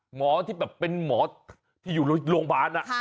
หมอที่แบบเป็นหมอที่อยู่โรงพยาบาล